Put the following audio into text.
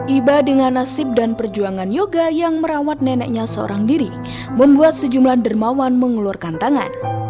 iba dengan nasib dan perjuangan yoga yang merawat neneknya seorang diri membuat sejumlah dermawan mengeluarkan tangan